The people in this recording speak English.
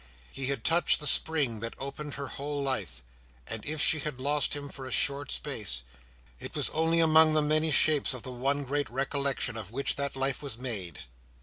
He had touched the spring that opened her whole life; and if she lost him for a short space, it was only among the many shapes of the one great recollection of which that life was made.